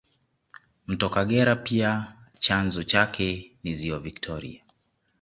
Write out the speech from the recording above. Mto Kagera pia chanzo chake ni ziwa Viktoria